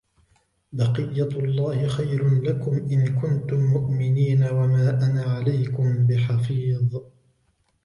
بَقِيَّتُ اللَّهِ خَيْرٌ لَكُمْ إِنْ كُنْتُمْ مُؤْمِنِينَ وَمَا أَنَا عَلَيْكُمْ بِحَفِيظٍ